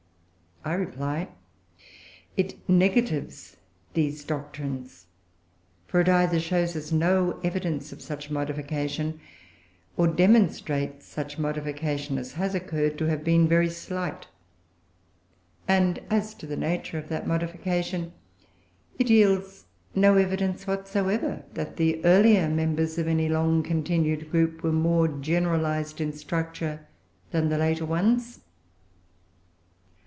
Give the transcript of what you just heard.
I reply, "It negatives these doctrines; for it either shows us no evidence of such modification, or demonstrates such modification as has occurred to have been very slight; and, as to the nature of that modification, it yields no evidence whatsoever that the earlier members of any long continued group were more generalised in structure than the later ones."